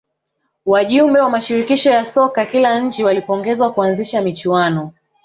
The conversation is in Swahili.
wajumbe wa mashirikisho ya soka kila nchi walipongezwa kuanzisha michuano